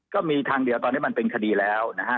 ก็มีทางเดียวตอนนี้มันเป็นคดีแล้วนะฮะ